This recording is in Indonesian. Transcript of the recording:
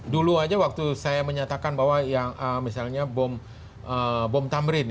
dulu aja waktu saya menyatakan bahwa yang misalnya bom tamrin